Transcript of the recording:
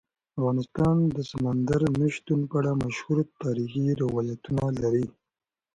افغانستان د سمندر نه شتون په اړه مشهور تاریخی روایتونه لري.